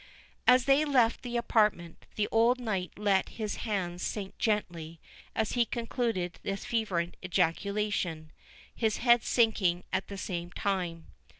As they left the apartment, the old knight let his hands sink gently as he concluded this fervent ejaculation, his head sinking at the same time.